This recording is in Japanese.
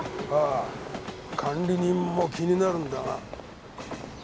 ああ管理人も気になるんだが。